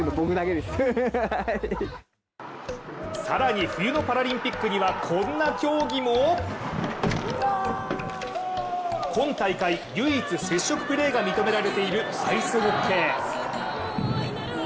更に冬のパラリンピックにはこんな競技も今大会、唯一接触プレーが認められているアイスホッケー。